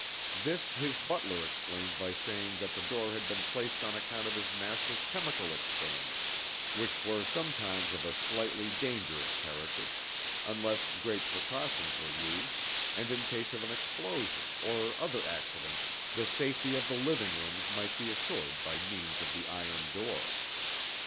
This his butler explained by saying that the door had been placed on account of his master's chemical experiments, which were sometimes of a slightly dangerous character, unless great precautions were used, and in case of an explosion or other accident the safety of the living rooms might be assured by means of the iron door.